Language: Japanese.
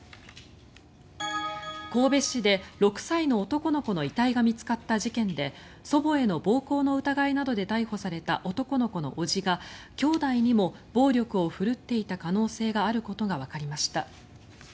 神戸市で６歳の男の子の遺体が見つかった事件で祖母への暴行の疑いなどで逮捕された男の子の叔父がきょうだいにも暴力を振るっていた可能性があることがわかりました。